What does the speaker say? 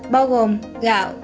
bao gồm gạo